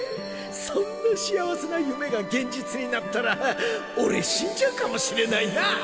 そんな幸せな夢が現実になったら俺死んじゃうかもしれないなァ。